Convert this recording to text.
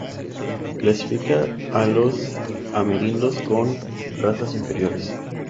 Clasifica a los amerindios con las razas inferiores.